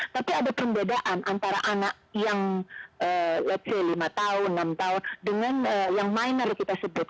tapi ada perbedaan antara anak yang let's say lima tahun enam tahun dengan yang minor kita sebut